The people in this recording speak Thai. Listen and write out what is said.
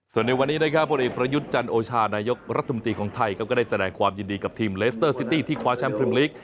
ผู้ตำรวจจันทร์โอชานายกรัฐมนตรีของไทยก็ก็ได้แสดงความยินดีกับทีมเลสเตอร์ซิตี้ที่คว้าแชมป์พริมลิก